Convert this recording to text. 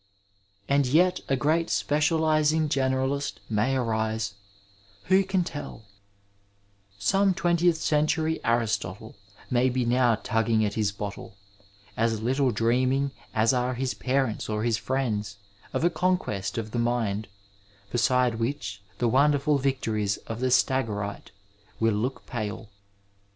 And yet a great spectaliring gener alist may arise, who can tell I Some twentieth century Aristotle may be now tugging at his bottle, as Uttle dream ing as are his parents or his friends of a conquest of the mind, beside which the wonderful victories of the Stagirite will look pale.